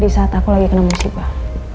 di saat aku lagi kena musibah